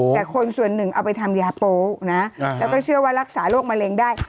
แต่คนส่วนหนึ่งเอาไปทำยาโป๊ะนะแล้วก็เชื่อว่ารักษาโรคมะเร็งได้